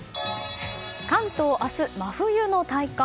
関東、明日、真冬の体感。